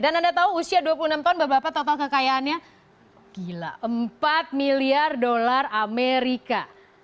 anda tahu usia dua puluh enam tahun bapak bapak total kekayaannya gila empat miliar dolar amerika